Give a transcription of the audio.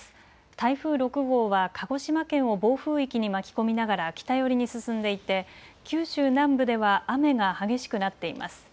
台風６号は、鹿児島県を暴風域に巻き込みながら北寄りに進んでいて、九州南部では雨が激しくなっています。